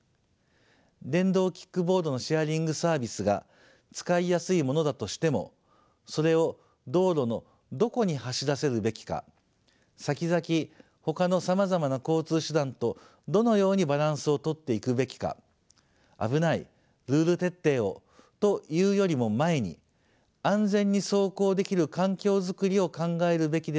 電動キックボードのシェアリングサービスが使いやすいものだとしてもそれを道路のどこに走らせるべきかさきざきほかのさまざまな交通手段とどのようにバランスをとっていくべきか「危ない」「ルール徹底を」と言うよりも前に安全に走行できる環境づくりを考えるべきではないかと思います。